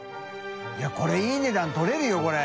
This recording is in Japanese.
いこれいい値段取れるよこれ。